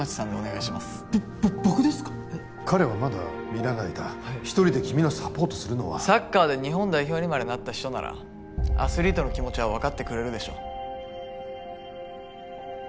彼はまだ見習いだ一人で君のサポートするのはサッカーで日本代表にまでなった人ならアスリートの気持ちは分かってくれるでしょ